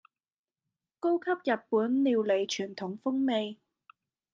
高級日本料理傳統風味